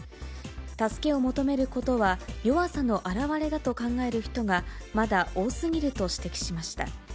助けを求めることは弱さの表れだと考える人が、まだ多すぎると指摘しました。